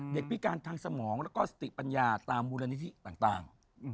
พิการทางสมองแล้วก็สติปัญญาตามมูลนิธิต่าง